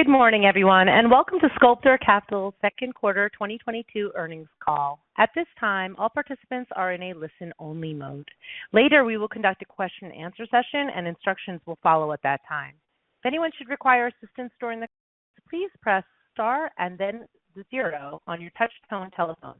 Good morning, everyone, and welcome to Sculptor Capital's second quarter 2022 earnings call. At this time, all participants are in a listen-only mode. Later, we will conduct a question-and-answer session, and instructions will follow at that time. If anyone should require assistance during the call, please press Star and then the zero on your touchtone telephone.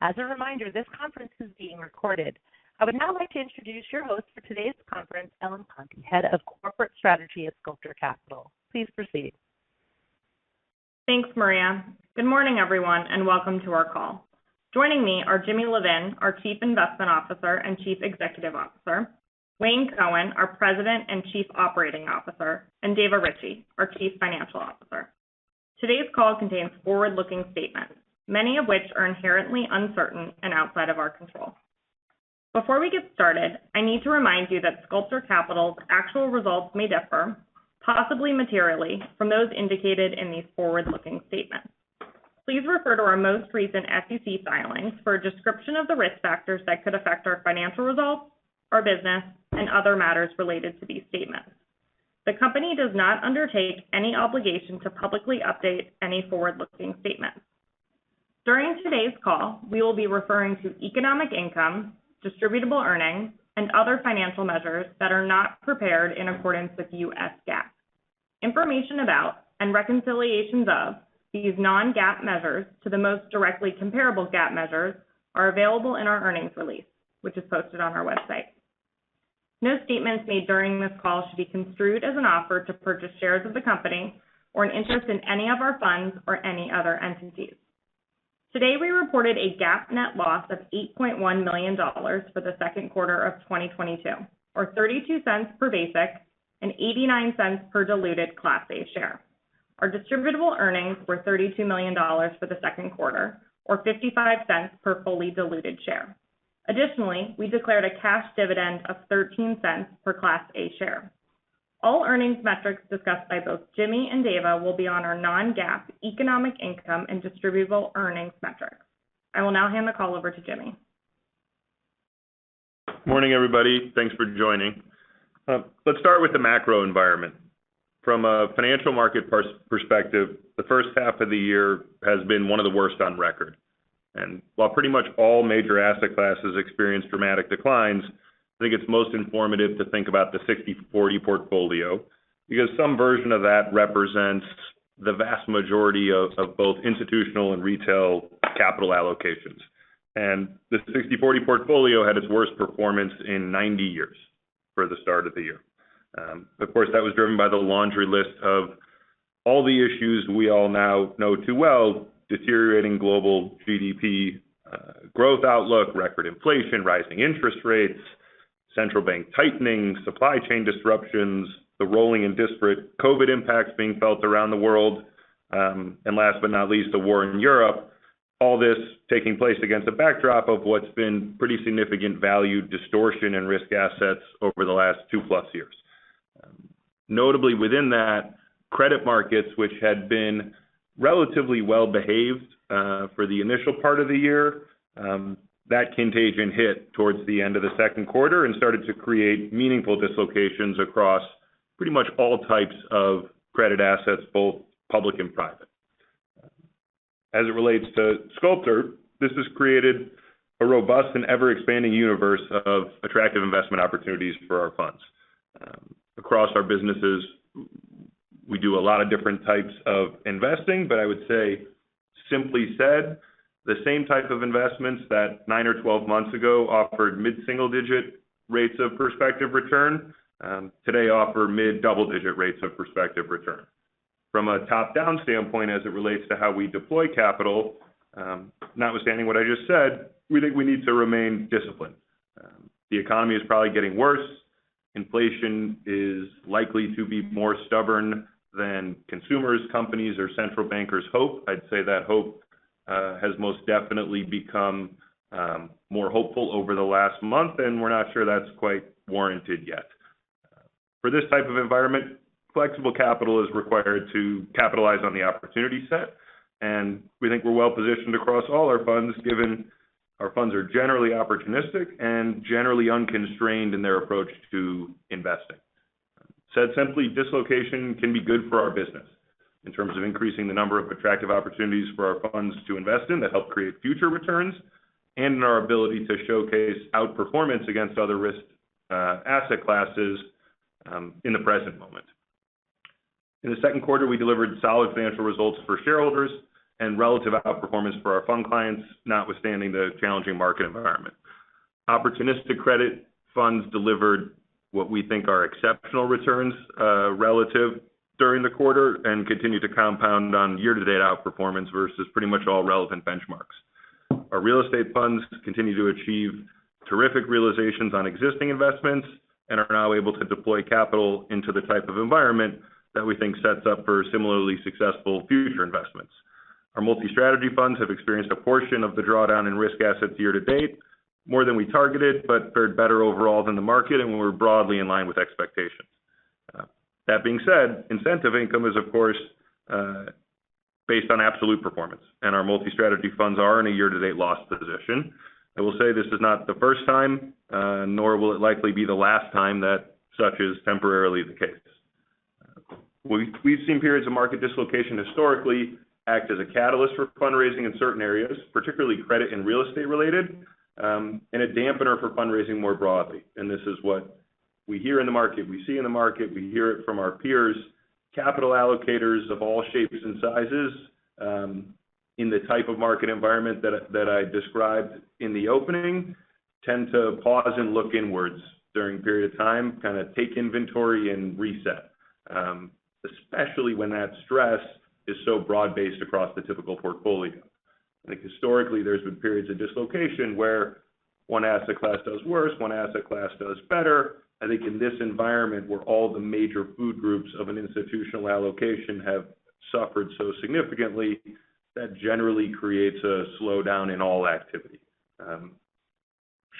As a reminder, this conference is being recorded. I would now like to introduce your host for today's conference, Ellen Conti, Head of Corporate Strategy at Sculptor Capital. Please proceed. Thanks, Maria. Good morning, everyone, and welcome to our call. Joining me are Jimmy Levin, our Chief Investment Officer and Chief Executive Officer, Wayne Cohen, our President and Chief Operating Officer, and Dava Ritchea, our Chief Financial Officer. Today's call contains forward-looking statements, many of which are inherently uncertain and outside of our control. Before we get started, I need to remind you that Sculptor Capital's actual results may differ, possibly materially, from those indicated in these forward-looking statements. Please refer to our most recent SEC filings for a description of the risk factors that could affect our financial results, our business, and other matters related to these statements. The company does not undertake any obligation to publicly update any forward-looking statement. During today's call, we will be referring to economic income, distributable earnings, and other financial measures that are not prepared in accordance with the U.S. GAAP. Information about and reconciliations of these non-GAAP measures to the most directly comparable GAAP measures are available in our earnings release, which is posted on our website. No statements made during this call should be construed as an offer to purchase shares of the company or an interest in any of our funds or any other entities. Today, we reported a GAAP net loss of $8.1 million for the second quarter of 2022, or $0.32 per basic and $0.89 per diluted Class A share. Our distributable earnings were $32 million for the second quarter, or $0.55 per fully diluted share. Additionally, we declared a cash dividend of $0.13 per Class A share. All earnings metrics discussed by both Jimmy and Dava will be on our non-GAAP economic income and distributable earnings metrics. I will now hand the call over to Jimmy. Morning, everybody. Thanks for joining. Let's start with the macro environment. From a financial market perspective, the first half of the year has been one of the worst on record. While pretty much all major asset classes experienced dramatic declines, I think it's most informative to think about the 60/40 portfolio because some version of that represents the vast majority of both institutional and retail capital allocations. The 60/40 portfolio had its worst performance in 90 years for the start of the year. Of course, that was driven by the laundry list of all the issues we all now know too well, deteriorating global GDP, growth outlook, record inflation, rising interest rates, central bank tightening, supply chain disruptions, the rolling and disparate COVID impacts being felt around the world, and last but not least, the war in Europe. All this taking place against a backdrop of what's been pretty significant value distortion in risk assets over the last 2+ years. Notably within that, credit markets, which had been relatively well behaved, for the initial part of the year, that contagion hit towards the end of the second quarter and started to create meaningful dislocations across pretty much all types of credit assets, both public and private. As it relates to Sculptor, this has created a robust and ever-expanding universe of attractive investment opportunities for our funds. Across our businesses, we do a lot of different types of investing, but I would say, simply said, the same type of investments that 9 or 12 months ago offered mid-single-digit rates of prospective return, today offer mid-double-digit rates of prospective return. From a top-down standpoint, as it relates to how we deploy capital, notwithstanding what I just said, we think we need to remain disciplined. The economy is probably getting worse. Inflation is likely to be more stubborn than consumers, companies or central bankers hope. I'd say that hope has most definitely become more hopeful over the last month, and we're not sure that's quite warranted yet. For this type of environment, flexible capital is required to capitalize on the opportunity set, and we think we're well-positioned across all our funds, given our funds are generally opportunistic and generally unconstrained in their approach to investing. Said simply, dislocation can be good for our business in terms of increasing the number of attractive opportunities for our funds to invest in that help create future returns and in our ability to showcase outperformance against other risk asset classes in the present moment. In the second quarter, we delivered solid financial results for shareholders and relative outperformance for our fund clients, notwithstanding the challenging market environment. Opportunistic Credit Funds delivered what we think are exceptional returns relative during the quarter and continue to compound on year-to-date outperformance versus pretty much all relevant benchmarks. Our real estate funds continue to achieve terrific realizations on existing investments and are now able to deploy capital into the type of environment that we think sets up for similarly successful future investments. Our multi-strategy funds have experienced a portion of the drawdown in risk assets year to date, more than we targeted, but fared better overall than the market, and we're broadly in line with expectations. That being said, incentive income is, of course, based on absolute performance, and our multi-strategy funds are in a year-to-date loss position. I will say this is not the first time, nor will it likely be the last time that such is temporarily the case. We've seen periods of market dislocation historically act as a catalyst for fundraising in certain areas, particularly credit and real estate related, and a dampener for fundraising more broadly. This is what we hear in the market, we see in the market, we hear it from our peers. Capital allocators of all shapes and sizes, in the type of market environment that I described in the opening, tend to pause and look inwards during a period of time, kinda take inventory and reset. Especially when that stress is so broad-based across the typical portfolio. I think historically there's been periods of dislocation where one asset class does worse, one asset class does better. I think in this environment where all the major food groups of an institutional allocation have suffered so significantly, that generally creates a slowdown in all activity.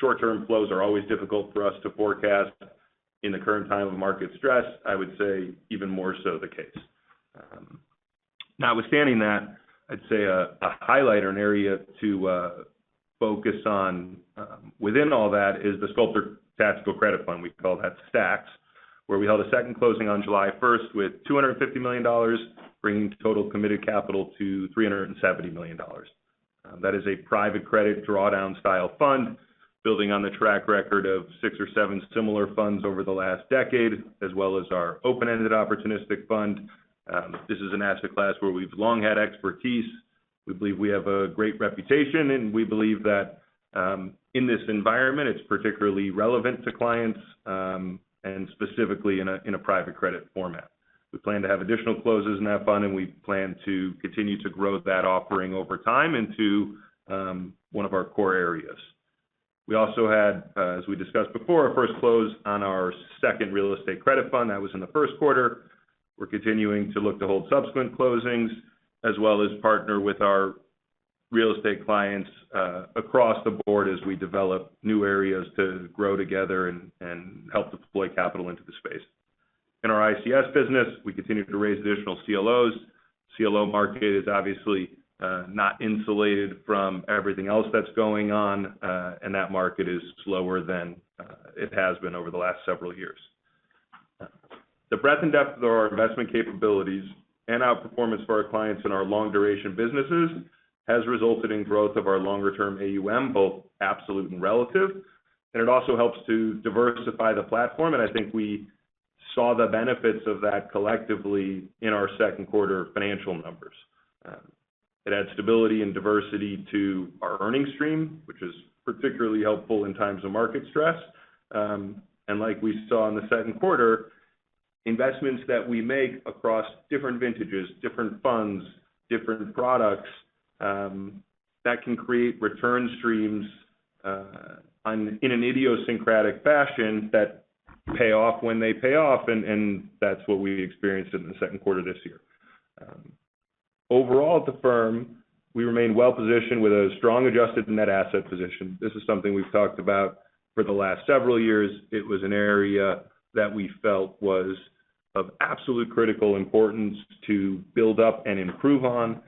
Short-term flows are always difficult for us to forecast. In the current time of market stress, I would say even more so the case. Notwithstanding that, I'd say a highlight or an area to focus on within all that is the Sculptor Tactical Credit Fund, we call that STAX, where we held a second closing on July 1st with $250 million, bringing the total committed capital to $370 million. That is a private credit drawdown style fund, building on the track record of six or seven similar funds over the last decade, as well as our open-ended opportunistic fund. This is an asset class where we've long had expertise. We believe we have a great reputation, and we believe that in this environment, it's particularly relevant to clients, and specifically in a private credit format. We plan to have additional closes in that fund, and we plan to continue to grow that offering over time into one of our core areas. We also had, as we discussed before, our first close on our second real estate credit fund. That was in the first quarter. We're continuing to look to hold subsequent closings, as well as partner with our real estate clients, across the board as we develop new areas to grow together and help deploy capital into the space. In our ICS business, we continue to raise additional CLOs. CLO market is obviously not insulated from everything else that's going on, and that market is slower than it has been over the last several years. The breadth and depth of our investment capabilities and our performance for our clients in our long duration businesses has resulted in growth of our longer term AUM, both absolute and relative. It also helps to diversify the platform, and I think we saw the benefits of that collectively in our second quarter financial numbers. It adds stability and diversity to our earnings stream, which is particularly helpful in times of market stress. Like we saw in the second quarter, investments that we make across different vintages, different funds, different products, that can create return streams, in an idiosyncratic fashion that pay off when they pay off. That's what we experienced in the second quarter this year. Overall at the firm, we remain well-positioned with a strong adjusted net asset position. This is something we've talked about for the last several years. It was an area that we felt was of absolute critical importance to build up and improve on.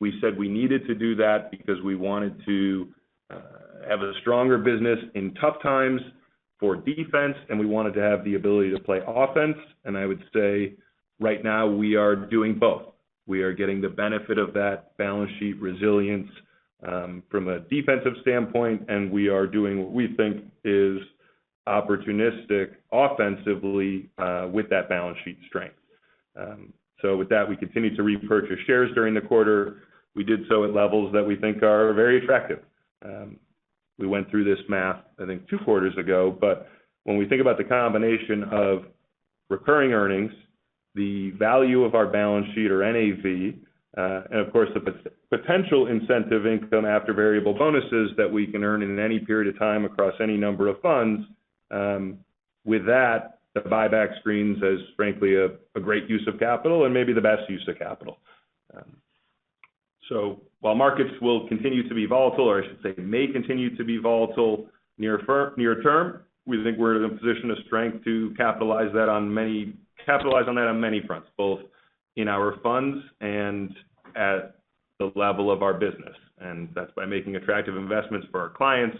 We said we needed to do that because we wanted to have a stronger business in tough times for defense, and we wanted to have the ability to play offense. I would say right now we are doing both. We are getting the benefit of that balance sheet resilience from a defensive standpoint, and we are doing what we think is opportunistic offensively with that balance sheet strength. With that, we continue to repurchase shares during the quarter. We did so at levels that we think are very attractive. We went through this math I think two quarters ago. When we think about the combination of recurring earnings, the value of our balance sheet or NAV, and of course, the potential incentive income after variable bonuses that we can earn in any period of time across any number of funds, with that, the buyback seems as frankly a great use of capital and maybe the best use of capital. While markets will continue to be volatile, or I should say may continue to be volatile near term, we think we're in a position of strength to capitalize on that on many fronts, both in our funds and at the level of our business. That's by making attractive investments for our clients,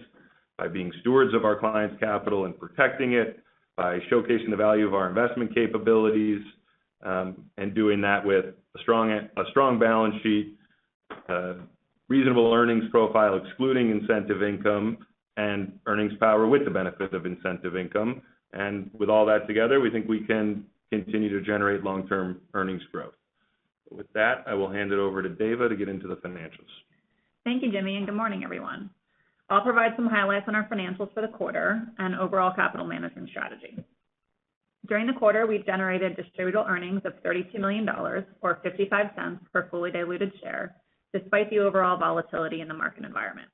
by being stewards of our clients' capital and protecting it, by showcasing the value of our investment capabilities, and doing that with a strong balance sheet, a reasonable earnings profile, excluding incentive income and earnings power with the benefit of incentive income. With all that together, we think we can continue to generate long-term earnings growth. With that, I will hand it over to Dava to get into the financials. Thank you, Jimmy, and good morning, everyone. I'll provide some highlights on our financials for the quarter and overall capital management strategy. During the quarter, we've generated Distributable Earnings of $32 million or $0.55 per fully diluted share, despite the overall volatility in the market environment.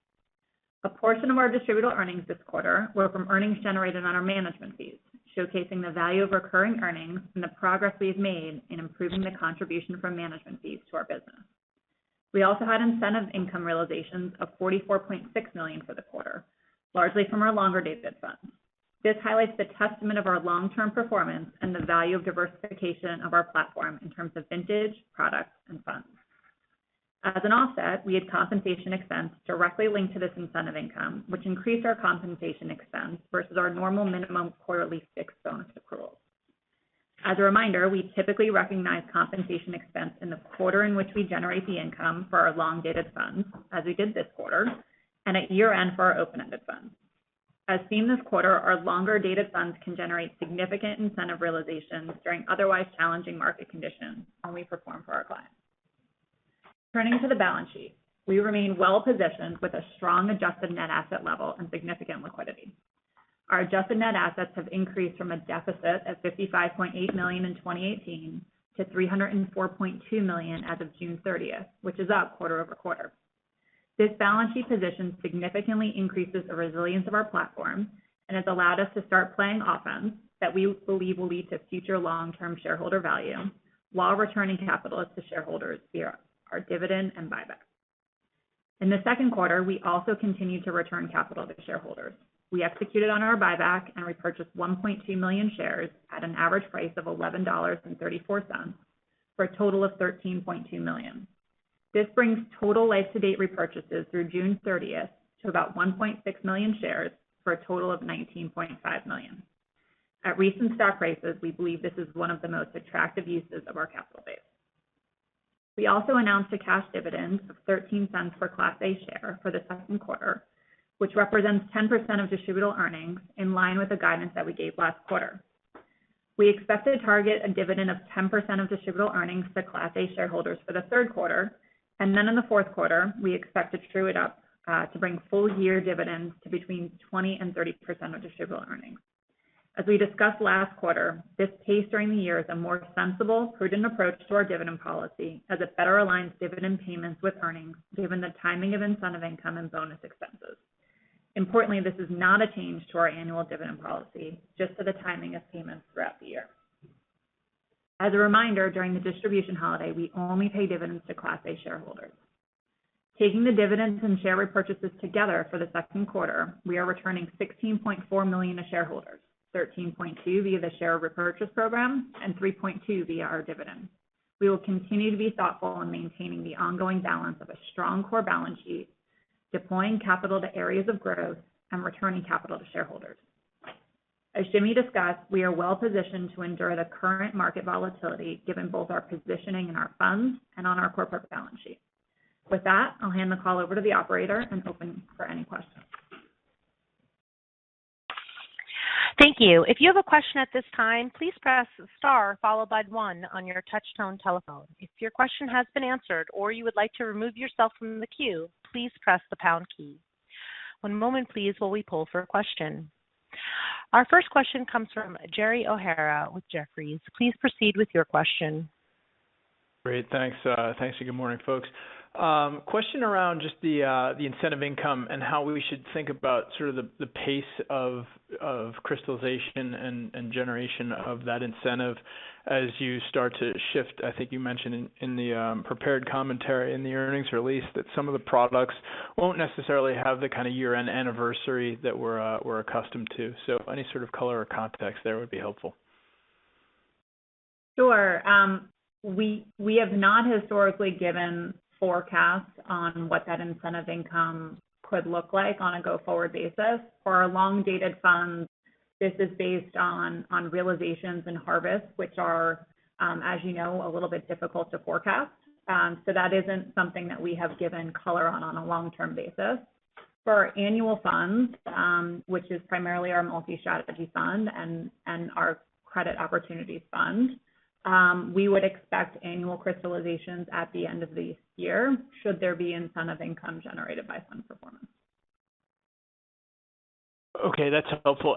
A portion of our Distributable Earnings this quarter were from earnings generated on our management fees, showcasing the value of recurring earnings and the progress we've made in improving the contribution from management fees to our business. We also had incentive income realizations of $44.6 million for the quarter, largely from our longer-dated funds. This highlights the testament of our long-term performance and the value of diversification of our platform in terms of vintage, products, and funds. As an offset, we had compensation expense directly linked to this incentive income, which increased our compensation expense versus our normal minimum quarterly fixed bonus accrual. As a reminder, we typically recognize compensation expense in the quarter in which we generate the income for our long-dated funds, as we did this quarter, and at year-end for our open-ended funds. As seen this quarter, our longer-dated funds can generate significant incentive realizations during otherwise challenging market conditions when we perform for our clients. Turning to the balance sheet, we remain well-positioned with a strong Adjusted Net Assets level and significant liquidity. Our Adjusted Net Assets have increased from a deficit of $55.8 million in 2018 to $304.2 million as of June 30th, which is up quarter-over-quarter. This balance sheet position significantly increases the resilience of our platform and has allowed us to start playing offense that we believe will lead to future long-term shareholder value while returning capital to shareholders via our dividend and buyback. In the second quarter, we also continued to return capital to shareholders. We executed on our buyback and repurchased 1.2 million shares at an average price of $11.34, for a total of $13.2 million. This brings total life-to-date repurchases through June thirtieth to about 1.6 million shares for a total of $19.5 million. At recent stock prices, we believe this is one of the most attractive uses of our capital base. We also announced a cash dividend of $0.13 per Class A share for the second quarter, which represents 10% of Distributable Earnings in line with the guidance that we gave last quarter. We expect to target a dividend of 10% of Distributable Earnings to Class A shareholders for the third quarter. In the fourth quarter, we expect to true it up, to bring full-year dividends to between 20% and 30% of Distributable Earnings. This pace during the year is a more sensible, prudent approach to our dividend policy as it better aligns dividend payments with earnings given the timing of incentive income and bonus expenses. Importantly, this is not a change to our annual dividend policy, just to the timing of payments throughout the year. As a reminder, during the distribution holiday, we only pay dividends to Class A shareholders. Taking the dividends and share repurchases together for the second quarter, we are returning $16.4 million to shareholders, $13.2 million via the share repurchase program and $3.2 million via our dividend. We will continue to be thoughtful in maintaining the ongoing balance of a strong core balance sheet, deploying capital to areas of growth, and returning capital to shareholders. As Jimmy discussed, we are well positioned to endure the current market volatility given both our positioning in our funds and on our corporate balance sheet. With that, I'll hand the call over to the operator and open for any questions. Thank you. If you have a question at this time, please press star followed by one on your touch tone telephone. If your question has been answered or you would like to remove yourself from the queue, please press the pound key. One moment, please, while we pull for a question. Our first question comes from Gerald O'Hara with Jefferies. Please proceed with your question. Great. Thanks. Thanks, and good morning, folks. Question around just the incentive income and how we should think about sort of the pace of crystallization and generation of that incentive as you start to shift. I think you mentioned in the prepared commentary in the earnings release that some of the products won't necessarily have the kind of year-end anniversary that we're accustomed to. Any sort of color or context there would be helpful. Sure. We have not historically given forecasts on what that incentive income could look like on a go-forward basis. For our long-dated funds, this is based on realizations and harvests, which are, as you know, a little bit difficult to forecast. That isn't something that we have given color on a long-term basis. For our annual funds, which is primarily our multi-strategy fund and our credit opportunities fund, we would expect annual crystallizations at the end of the year should there be incentive income generated by fund performance. Okay, that's helpful.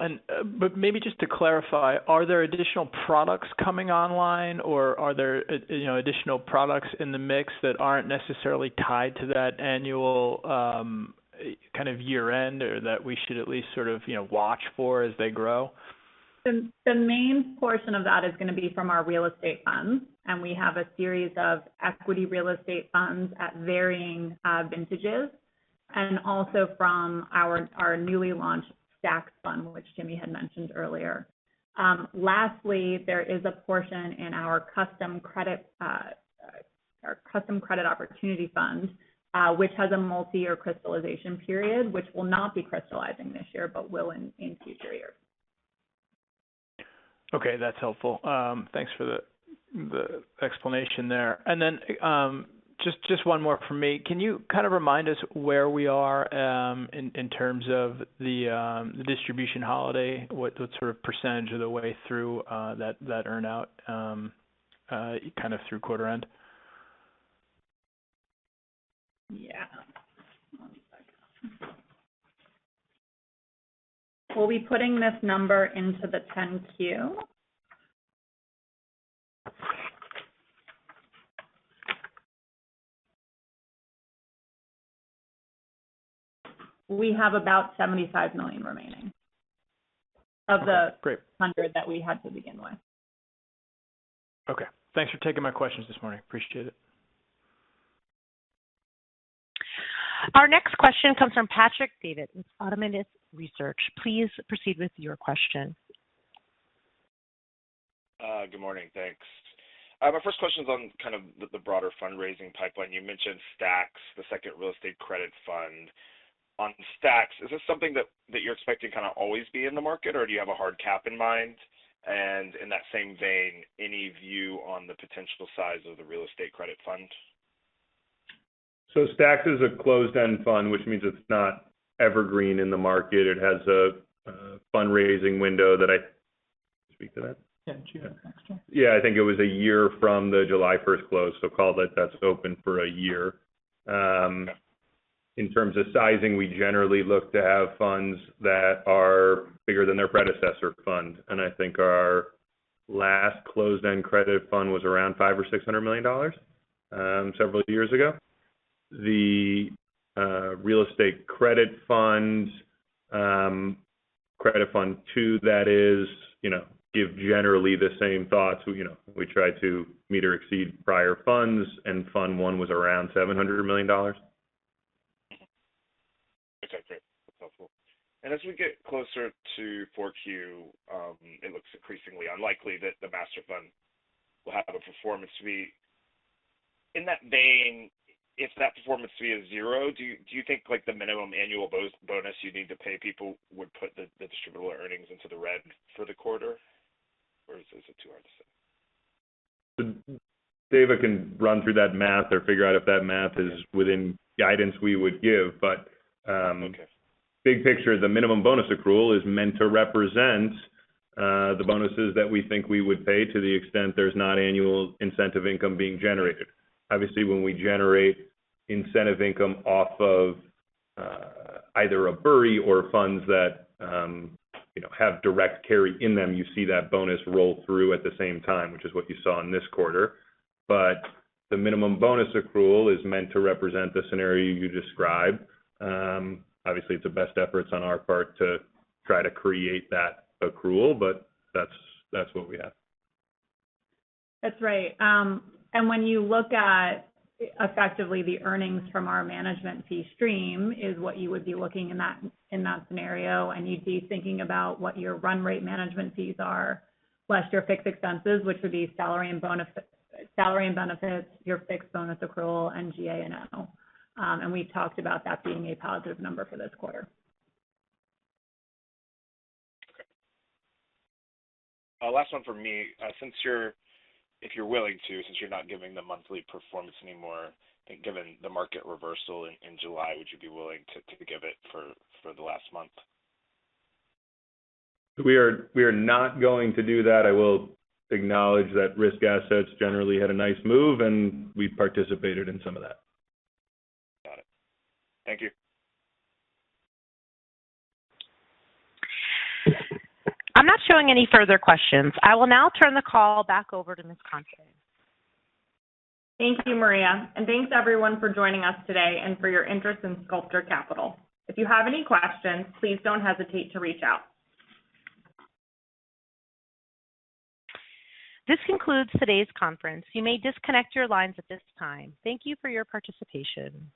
Maybe just to clarify, are there additional products coming online or are there, you know, additional products in the mix that aren't necessarily tied to that annual, kind of year-end or that we should at least sort of, you know, watch for as they grow? The main portion of that is gonna be from our real estate funds, and we have a series of equity real estate funds at varying vintages, and also from our newly launched STAX fund, which Jimmy had mentioned earlier. Lastly, there is a portion in our Customized Credit Focused Platform, which has a multi-year crystallization period, which will not be crystallizing this year, but will in future years. Okay, that's helpful. Thanks for the explanation there. Just one more from me. Can you kind of remind us where we are, in terms of the Distribution Holiday? What sort of percentage of the way through that earn-out, kind of through quarter end? Yeah. One second. We'll be putting this number into the Form 10-Q. We have about $75 million remaining of the- Great 100 that we had to begin with. Okay. Thanks for taking my questions this morning. Appreciate it. Our next question comes from Patrick Davitt with Autonomous Research. Please proceed with your question. Good morning. Thanks. My first question is on kind of the broader fundraising pipeline. You mentioned STAX, the second real estate credit fund. On STAX, is this something that you're expecting kinda always be in the market, or do you have a hard cap in mind? In that same vein, any view on the potential size of the real estate credit fund? STAX is a closed-end fund, which means it's not evergreen in the market. It has a fundraising window. Speak to that? Yeah. Two years next year. Yeah, I think it was a year from the July first close, so call it that. That's open for a year. In terms of sizing, we generally look to have funds that are bigger than their predecessor fund, and I think our last closed-end credit fund was around $500-$600 million, several years ago. The real estate credit fund, credit fund two, that is, you know, give generally the same thoughts. We, you know, we try to meet or exceed prior funds, and fund one was around $700 million. Mm-hmm. Okay, great. That's helpful. As we get closer to 4Q, it looks increasingly unlikely that the Master Fund will have a performance fee. In that vein, if that performance fee is zero, do you think, like, the minimum annual bonus you need to pay people would put the distributable earnings into the red for the quarter, or is this too hard to say? Dava can run through that math or figure out if that math is within guidance we would give. Okay Big picture, the minimum bonus accrual is meant to represent the bonuses that we think we would pay to the extent there's not annual incentive income being generated. Obviously, when we generate incentive income off of either a BRII or funds that, you know, have direct carry in them, you see that bonus roll through at the same time, which is what you saw in this quarter. The minimum bonus accrual is meant to represent the scenario you described. Obviously, it's a best efforts on our part to try to create that accrual, but that's what we have. That's right. When you look at effectively the earnings from our management fee stream is what you would be looking at in that scenario, and you'd be thinking about what your run rate management fees are, plus your fixed expenses, which would be salary and benefits, your fixed bonus accrual, and G&A. We talked about that being a positive number for this quarter. Okay. Last one for me. If you're willing to, since you're not giving the monthly performance anymore, given the market reversal in July, would you be willing to give it for the last month? We are not going to do that. I will acknowledge that risk assets generally had a nice move, and we participated in some of that. Got it. Thank you. I'm not showing any further questions. I will now turn the call back over to Ms. Conti. Thank you, Maria. Thanks everyone for joining us today and for your interest in Sculptor Capital. If you have any questions, please don't hesitate to reach out. This concludes today's conference. You may disconnect your lines at this time. Thank you for your participation.